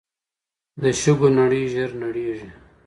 د شګو نړۍ ژر نړېږي.